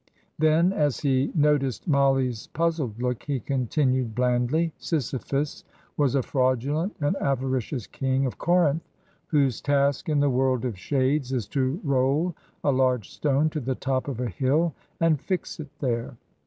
Then, as he noticed Mollie's puzzled look, he continued blandly, "Sisyphus was a fraudulent and avaricious king of Corinth, whose task in the world of shades is to roll a large stone to the top of a hill and fix it there.